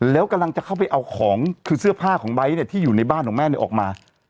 แล้วกำลังจะเข้าไปเอาของคือเสื้อผ้าของไบท์เนี่ยที่อยู่ในบ้านของแม่เนี่ยออกมา